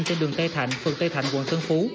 trên đường tây thạnh phường tây thạnh quận tân phú